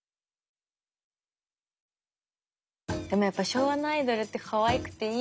でもやっぱり昭和のアイドルってかわいくていいよね。